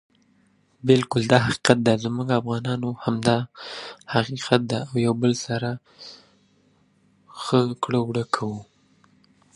د ښه خلکو کړه وړه د نورو لپاره بېلګه وي.